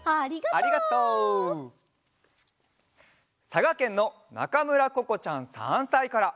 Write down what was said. さがけんのなかむらここちゃん３さいから。